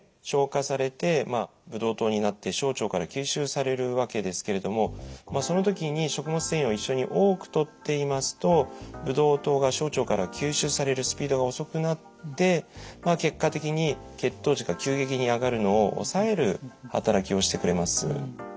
消化されてブドウ糖になって小腸から吸収されるわけですけれどもその時に食物繊維を一緒に多くとっていますとブドウ糖が小腸から吸収されるスピードが遅くなって結果的に血糖値が急激に上がるのを抑える働きをしてくれます。